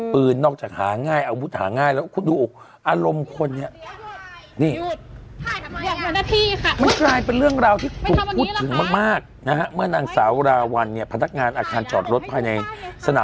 นอกจากหาง่ายอาวุธหาง่ายแล้วคุณดูอารมณ์คนเนี่ย